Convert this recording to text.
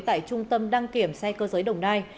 tại trung tâm đăng kiểm xe cơ giới đồng nai